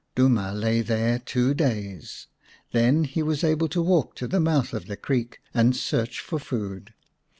Duma lay there two days ; then he was able to walk to the mouth of the creek and search for food.